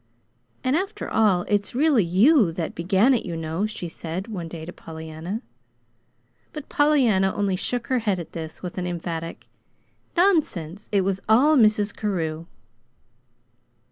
"And after all it's really YOU that began it, you know," she said one day to Pollyanna. But Pollyanna only shook her head at this with an emphatic: "Nonsense! It was all Mrs. Carew."